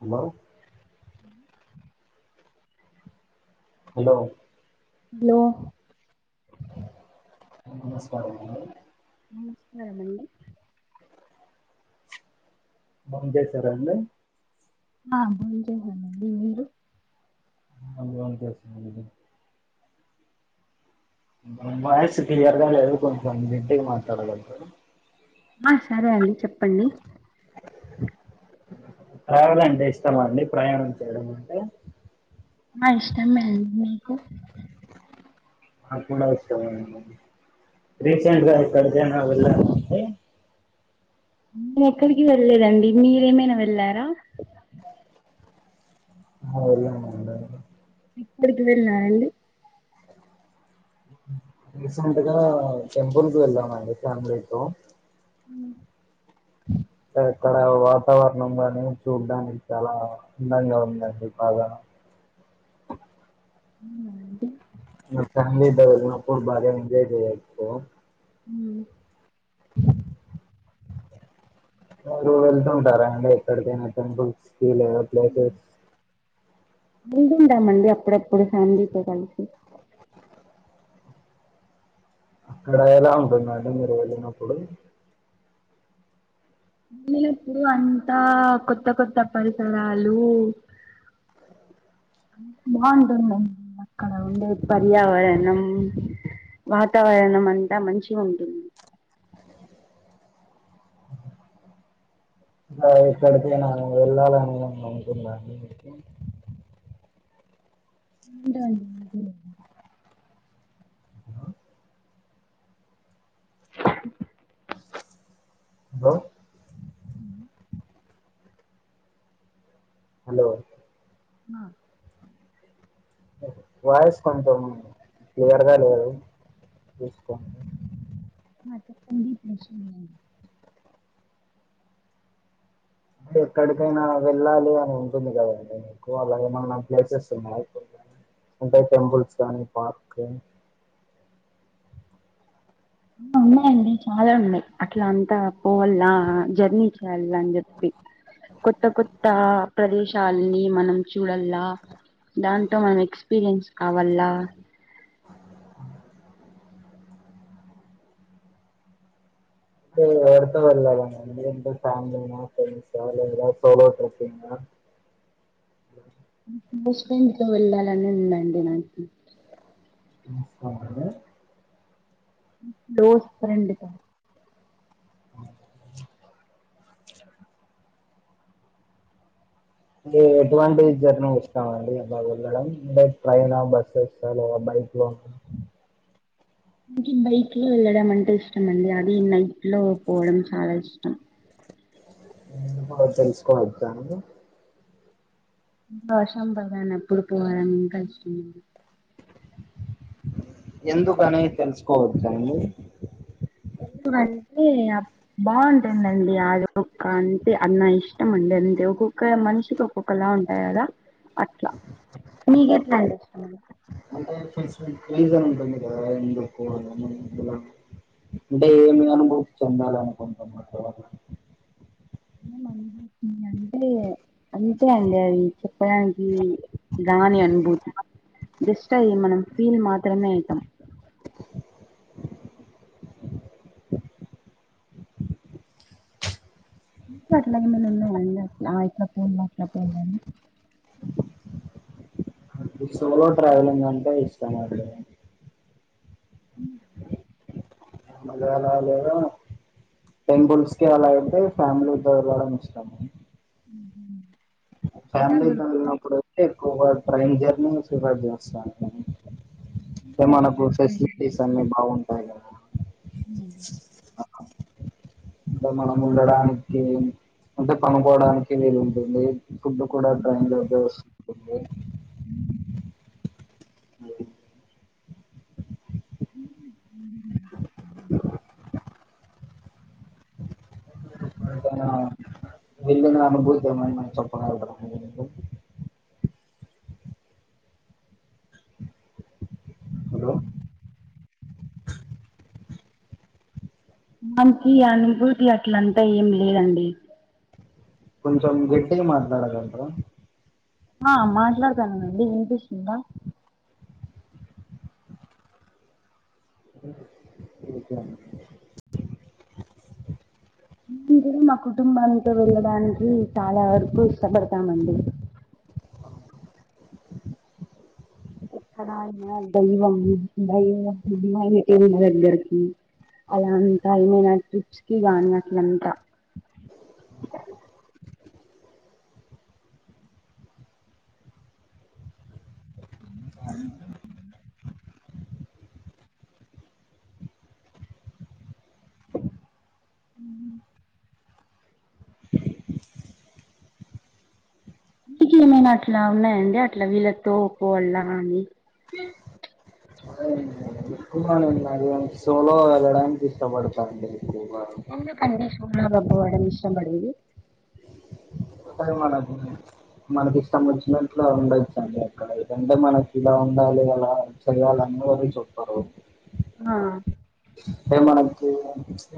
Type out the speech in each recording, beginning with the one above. Hello hello hello నమస్కారం నమస్కారమ అండి బొంచేసారా అండి ఆ బొంచేసాను అండి మీరు [unintelligible] వాయిస్ క్లియర్ గా లేదు కొంచం గట్టిగా మాట్లాడండి ఆ సరే అండి చెప్ పండి ట్రావెల్ అంటే ఇష్టమ అండి ప్రయాణం చేయడం అంటే ఆ ఇష్టం ఏ అండి మీీకు అప్పుడు [unintelligible] రీసెంట్ గా ఎక్కడికైనా వెల్ వెళ్ళారా అండి నేను ఎక్కడికి వెళ్లేదండి మీరేమైనా వెళ్లార రా ఆ వెళ్ళాం అండి ఎక్కడికి వెళ్ళాారండి రీసెంట్ గా టెంపుల్ కు వెళ్ళామండి ఫ్యామిలీతో ఉ [unintelligible] ఇక్కడ వాతావరణం కానీ, చూడ్డానికి చాలా అందంగా ఉందండి బాగా ఉ నా ఫ్యామిలీ ద నాప్పుడు బాగా ఎంజాయ్ చేయ ఇతే హ [unintelligible] మీరు వెళ్తుంటారా అండి ఎక్కడికైనా టెంపుల్స్ ఫీల్వో ప్లేసెస్ వెళితుంటమండి అప్పుడప్పుడు ఫ్యామిలీతో కలిసి అక్కడ ఎలా ఉంటుందండి మీరు వెళ్ళినప్పుడు. వెళ్ళనప్పుడు అంతా కొత్త కొత్త పరిసరాలు అ బాగుంటుంది. అక్కడ ఉండే పర్యావరణం వాతావరణం అంతా మంచిగా ఉంటుంది. ఇ ఇక్కడిక నను వెళ్ళాలని నను అనుకున్నాం. డన్ హలో హలో ఆ వాయిస్ కొంచెం క్లియర్గా లేదు. చూసుకో మ చెప్పడిీషడి [unintelligible] ఎక్కడికైనా వెళ్ళాలి అని ఉంటుంది, కదండి మీకు అలాగేమన్నా ప్లేసెస్ ఉన్నా అంటే టెంపుల్స్ కానీ పార్క్ ఉన్నాయండి చాలా ఉన్నాయి. అట్లా అంతా పోవాల జర్నీ చే అని చెప్పి కొత్త కొత్త ప్రదేశాలని మనం చూడల్లా దాంతో మనం ఎక్స్పీరియన్స్ కావల్లా [unintelligible] బష్ పెండ్తో వెళ్ళాలని ఉందండి నాకి నమస్క [unintelligible] దోష్ ఫ్రెండుతో [inaudible] దీ మీరు ఎటువంటీ జర్నీ స్తామండి అ బగా వెళ్ళడం అంటే ట్రైన్ ఆ బస్సెస్ ఆ లేదా బైక్ లో బైక్ లో వెళ్ళడం అంటే ఇష్టం అండి అది నైట్ లో పోవడం చాలా ఇష్టం. ఎందుకో తెలుసుకోవచ్చా అండి బాషం బగాన అప్పుడు పోవాలని ఇంకా ఇష్టం అండి ఎందుకని తెలుసుకోవచ్చా అండి అంటే బాగుంటుందండి ఆది ఒక్క అంటే అన్న ఇష్టం అండి అంటే ఒక్కొక్క మనిషికి ఓ ఒకలా ఉంటాయి కదా అట్లా మీక ఎట్లా అండి అంటే రీజన్ ఉంటుంది కదా ఎందుకు అని అంటే ఏమి అనుభూతి చెందాల అనుకుంటున్నారు. మన అంటే అంతే అండి అది చెప్పడానికి దాని అనుభూతి జస్ట్ అయ్య మనం ఫీల్ మాత్రమే అయితాం [unintelligible] అట్లా ఏమన్న ఉన్నాయండి ఆ ఇట్లా ఫోన్లో పోలే సోలో ట్ర్రావెలింగ్ అంటే ఇష్టమా అండి అ [inaudible] మళ్ళ అలా లేద టెంపుల్సకి అలా అంటే ఫ్యామిలీ తో వెళ్లడం ఇష్టం. ఇలా ఫ్యామిలీతో వెళ్ళినప్పుడు ఎక్కువ గా ట్రైన్ జర్నీ ను చేస్తాను గడుపుతుందండి మనకు అట్లా ఫ్రెండ్స్ ఫెసిలిటీస్ అన్ని బాగు అవ్నా [unintelligible] ఆ అంటె మనం ఉండడానికి అంటే పండుకోడానికి వీలుంటుంది ఫుడ్ కూడా టైం లోకె వస్తది [inaudible] [inaudible] వెళ్లిన అనుభూతి ఏదైనా చెప్పగల్గుతారా హలో దానికి అనుభూతి అట్లంటా ఏం లేదండి కొంచం గట్టిగ మాట్లాడాగలుగుతర ఆ మాట్లాడతానండి ఇనిపిస్తుందా ఇంక ఇ మా కుటుంబంతో వెళ్ళడానికి చాలా వరకు ఇష్టపడతామండి [inaudible] ఎక్కడ గలీవ [inaudible] మా దగ్గరకి అలా అంతా ఏమైనా ట్రిప్స్ కి గానీ అట్లంతా [unintelligible] ఊ ఇంటికెమైనా అట్లా ఉన్నాయండి అట్లా వీళ్ళ తో పోల్ల అని అల ఏమ్ లే సోలో వెళడానికి ఇష్టపడతంతే ఎందుకండి సో [unintelligible] ఇష్టం పడేది టె మనమ్ మనకి ఇష్టం ఒచ్చినట్లు ఉండొచ్చండి అక్కడ అంటె మనకిలా ఉండాలి అలా చెయ్యాలని ఎవరు చెప్పరు ఆ టె మనకు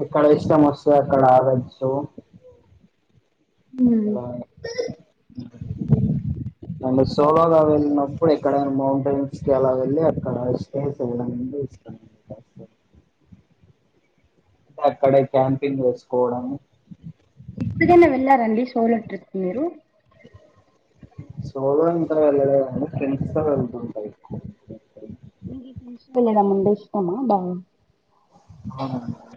ఎక్కడ ఇష్టం ఒస్తే అక్కడ అగోచ్చు హమ్ అండ్ సోలోగా వెళ్ళినప్పుడు ఎక్కడైనా మౌంటైన్స్ కి అలా వెళ్ళి అక్కడ స్టే చేడం అంటె ఇష్టం అక్కడే క్యాంపింగ్ వెస్కోడం ఎప్పుడైనా వెళ్ళారండి సోలో ట్రిప్ మీరు సోలో ఇంక వెళ్ళలేదండి ఫెండ్స్ తో వెళ్తూంట ఎక్కువ తోయల్లడం మంటె ఇష్టమా బాగ అవునండి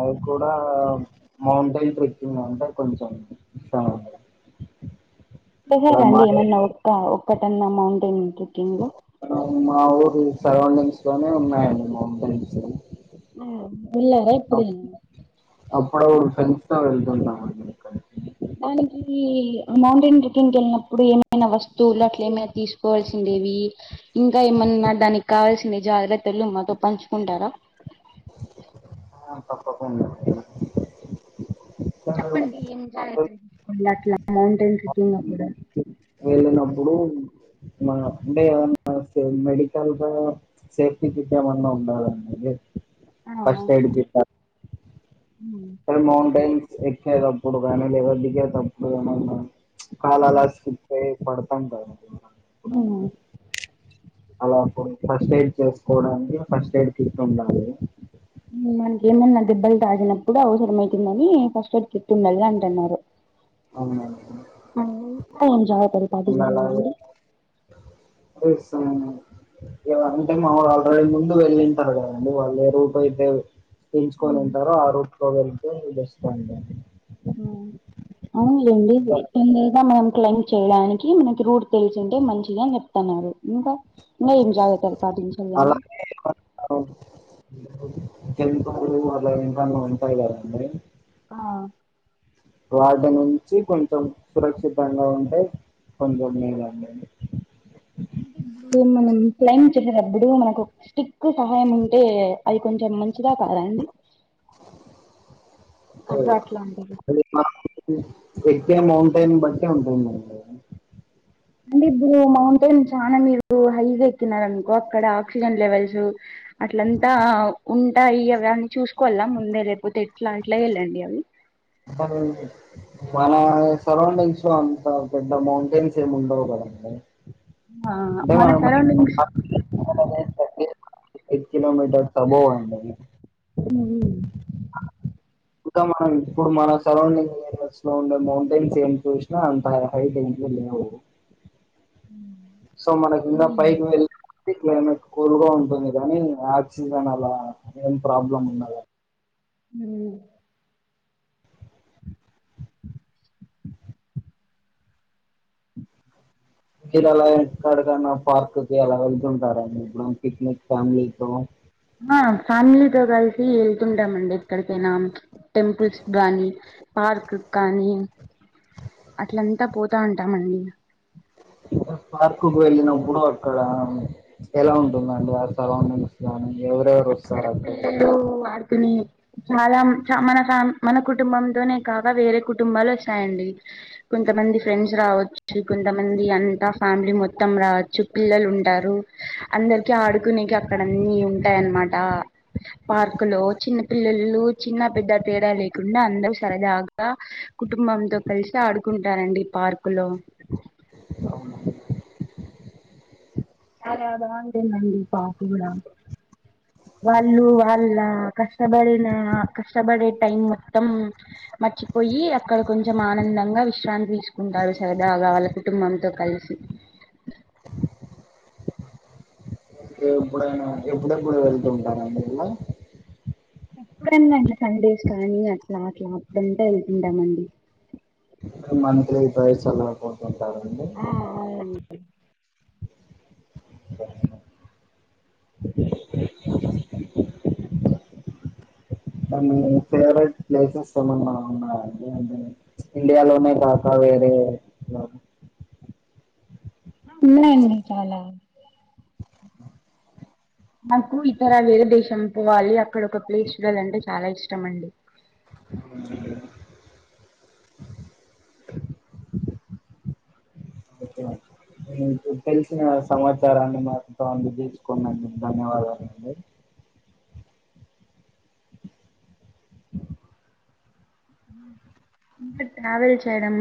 అది కూడా మౌంటెన్ ట్రెక్కింగ్ అంటే కొంచెం చా సారా అండి ఏమన్నా ఒక్క ఒక్క ఎన్న మౌంటెన్ ట్రిక్కింగు మా ఊరు సరౌండింగ్స్ లోనే ఉన్నాయండి మౌంటైన్స్ ఆ వెళ్లార ఎప్పుడైన ప్పుడు ఫ్రండ్స్ తో వెళ్తుంటాం మండి అక్కడికి దనికీ మౌంటైన్ ట్రెక్కింక్కి ఎళ్ళినప్ ప్పుడు ఏమైన వస్తువులు అట్లా ఏమైనా తీసుకోవాల్సిందేవి ఇంకా ఏమన్నా దానికి కావాల్స్ జాగ్రత్తలు మాతో పంచుకుంటారా పప్పకుం చప్పడి బ ఏం జాలారి కొళ్లాట్లా మౌంటైన్ ట్రెక్కంగ్ కూడాడ వెళ్ళినప్పుడు అంటే ఏమన్నా మెడికల్ సేఫ్టీ కి ఏమన్నా ఉండాలండి ఆ ఫస్ట్ ఎడ్ ఉమ్, ఎక్కే తప్పుడు కానీ లేవ దడికే తప్పుడు కాని ఉన్నా ఉమ్, కాాలలాస్ పడతాంంట ఉ అలా ఫస్ట్ ఎయిడ్ చేసుకోవడానికి ఫస్ట్ ఎయిడ్ తిట్ ఉండాలి మనక ఏమన్నా దెబ్బలు తాసినప్పుడు అవసరం అవుతుందని ఫస్ట్ ఎయిడ్ తిట్ండాలి అంటు అన్నారు అవునండి జాల అండ్ పరిపాటింట ఎవరంటే మామరు ఆల్రెడీ ముందు వెళ్ళింటారు కదండి వాళ్ళు ఏ రూట్ అయితే పెంచుకొని ఉమ్, ఉంటారు ఆ రూట్ లో గురించి అడి ఉ ఆవు ఏడి ఇంకా ఇ మనం క్లైంబ్ చేయడానికి మనకి రూట్ తెలిసుంటే మంచిగా చెప్తున్నారు కా న జగే తరు పా దని చల్దం తెంప వాలా ఏంటన్నా ఉంటాయి కదండి ఆ వాటి నుంచి కొంచెం సురక్షితంగా ఉంటే కొంద లేవడి అే ఇప్పుడు మనం క్లైమ్ చేసేటప్పుడు మనకు స్టిక్ కు సహాయం ఉంటే అది కొంచెం మంచిదా కాదండి అ అట్లాంటది ఎక్తే మౌంటైనింగ్ బట్టి ఉంటు మ అంటే ఇప్పుడు మౌంటైన్ చా మీరు హైగా ఎక్కిినార అనుకో అక్కడ ఆక్సిజన్ లెవెల్స్ అట్లంతా ఉంటాయి అవి అన్నీ చూసుకోాల ముందే లేకపోతే ఎట్లా అట్లా వెళ్ళండి అవి అ మన సరౌండింగ్స్ అంత పెద్ద మౌంటైన్స్ ఏమి ఉండవు కదండి అంటే మన మనం సరౌండింగ్స్ కిలోమీటర్ సబో అడి హ్మ్. ఇకా మనం ఇప్పుడు మన సరౌండింగ్ ఏరియాస్ లో ఉండే మౌంటైన్స్ ఏంటి చూసినా అంత హైట్ ఏంటి లేవు సో మనకి ఇంద పైకి వెళ క్లైమేట్ కూల్గా ఉంటుంది కానీ ఆయాక్సిజన్ అలా ఏం ప్రాబ్లమ్ ఉన్నద హ ఇక్కడ అలా ఎక్కడకన్నా పార్క్కి అలా వెళ్తుంటారండి ఇప్పుడు పిక్నిక్ ఫ్యామిలీతో ఆ ఫ్యామిలీతో కలిసి వెళ్తుంటామ అండి ఎక్కడికైనా టెంపుల్స్ కాగానీ పార్క్ కానీ అట్లంతా పోతా ఉంట ట్టామడి పార్క్కు వెళ్ళినప్పుడు అక్కడ ఎలా ఉంటుందండి ఆ సరౌండింగ్స్ గాని అక్కడ పిల్లలు ఆడుకుని చాలా చ మన సా మన కుటుంబంతోనే కాక వేరే కుటుంబాలు వస్తాయండి కొంతమంది ఫ్రెండ్స్ రావచ్చు కొంతమంది అంతా ఫ్యామిలీ మొత్తం మొత్తం రావచ్చు పిల్లలు ఉంటారు అందరికి ఆడుకునేకి అక్కడ అన్ని ఉంటాయిన్నమాట నా పార్కు లో చిన్న పిల్లలు లు చిన్న పెద్ద తేడా లేకుండా అందరూ సరదాగా కుటుంబంతో కలిసి ఆడుకుంటారంండి పార్కు లో చాలా బాగుంటుందండి పాప కూడా వాళ్ళు వాళ్ళ కష్టపడిన కష్టపడే టైం మొత్తం మర్చిపోయి అక్కడ కొంచెం ఆనందంగా విశ్రాంతి తీసుకుంటారు సరదాగా వాళ్ళ కుటుంబంతో కలిసి ఎప్పుడైనా ఎప్పుడెప్పుడు వెళ్తుూ ఉంటారండి ఇలా ఎప్పుడన్నా అట్లా సడేస్ కానీ అట్లా అట్లా అప్పుడుంటా వెళ్తుంటామండి మన ఇద చల్ పతుంది కావుడి ఆ అవును కానీ ఫేవరెట్ ప్లేసెస్ ఏమన్నా ఉన్నాయండీ ఇండియాలోనే కాక వేరే ఉన్నయండి చాలా నాకు ఇతర వేరే దేశం పోవాలి అక్కడ ఒక ప్లేస్ చూడాలంటే చాలా ఇష్టం అండి ఓకే. మీకు తెలిసిన సమాచారాన్ని మాతో అందచేసుకున్నందుకు ధన్యవాదాలండీ ఇంక ట్రావెల్ చేయడం